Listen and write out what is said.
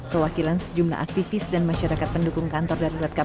kewakilan sejumlah aktivis dan masyarakat pendukung kantor